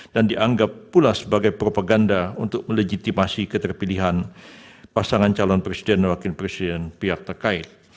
dianggap pula sebagai propaganda untuk melejitimasi keterpilihan pasangan calon presiden dan wakil presiden pihak terkait